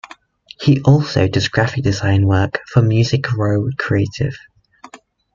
He also does graphic design work for Music Row Creative.